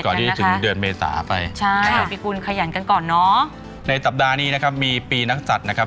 ก่อนที่ถึงเดือนเมษาไปใช่ในสัปดาห์นี้นะครับมีปีนักศัตรูนะครับ